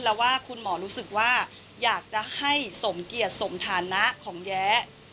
แล้วว่าคุณหมอรู้สึกว่าอยากจะให้สมเกียจสมฐานะของแย้